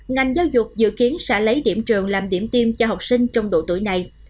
ngành giáo dục dự kiến sẽ lấy điểm trường làm điểm tiêm cho học sinh trong độ tuổi này